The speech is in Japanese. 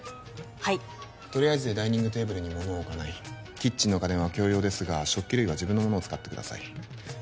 はいとりあえずでダイニングテーブルにものを置かないキッチンの家電は共用ですが食器類は自分のものを使ってください